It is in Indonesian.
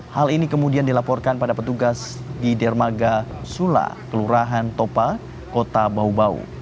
hal ini kemudian dilaporkan pada petugas di dermaga sula kelurahan topa kota bau bau